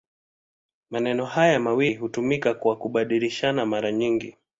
Maneno haya mawili hutumika kwa kubadilishana mara nyingi.